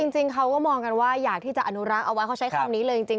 จริงเขาก็มองกันว่าอยากที่จะอนุรักษ์เอาไว้เขาใช้คำนี้เลยจริง